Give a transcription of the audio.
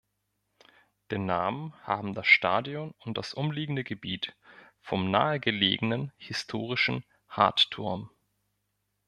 Den Namen haben das Stadion und das umliegende Gebiet vom nahegelegenen, historischen Hardturm.